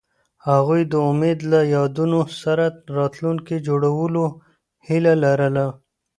هغوی د امید له یادونو سره راتلونکی جوړولو هیله لرله.